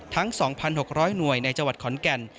ทั้ง๒๖๐๐หน่วยในจังหวัดขอนแก่น